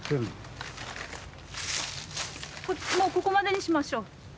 もうここまでにしましょう。